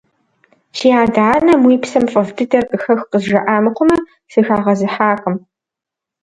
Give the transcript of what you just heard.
Си адэ-анэм «уи псэм фӀэфӀ дыдэр къыхэх» къызжаӀа мыхъумэ, сыхагъэзыхьакъым.